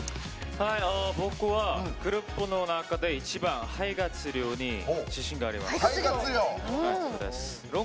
僕はグループの中で一番、肺活量に自信があります。